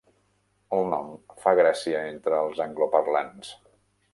El nom fa gràcia entre els angloparlants.